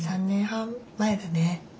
３年半前だね。